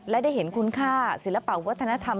และได้เห็นคุณค่าศิลปะวัฒนธรรม